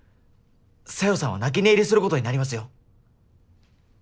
紗世さんは泣き寝入りすることになりますよ？